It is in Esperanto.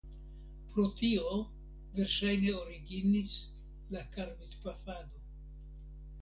Pro tio verŝajne originis la karbidpafado.